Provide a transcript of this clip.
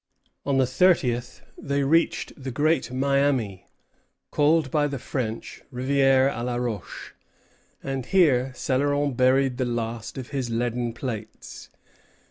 On the thirtieth they reached the Great Miami, called by the French, Rivière à la Roche; and here Céloron buried the last of his leaden plates.